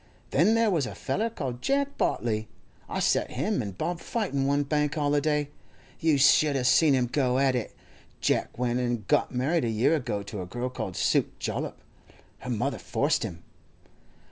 Then there was a feller called Jeck Bartley. I set him an' Bob fightin' one Bank holiday—you should a' seen 'em go at it! Jack went an' got married a year ago to a girl called Suke Jollop; her mother forced him.